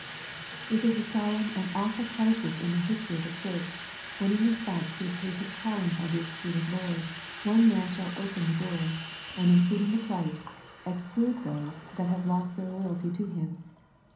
It is a solemn and awful crisis in the history of a church when in response to the patient calling of the excluded Lord one man shall open the door, and including the Christ, exclude those that have lost their loyalty to Him.